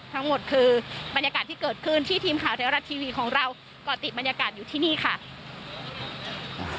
ทั้งหมดคือบรรยากาศที่เกิดขึ้นที่ทีมข่าวเทวรัฐทีวีของเราก่อติดบรรยากาศอยู่ที่นี่ค่ะ